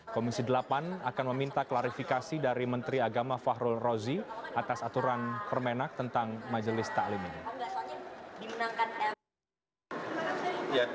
komisi delapan akan meminta klarifikasi dari menteri agama fahrul rozi atas aturan permenak tentang majelis taklim ini